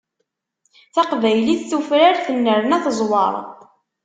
Taqbaylit tufrar, tennerna teẓweṛ.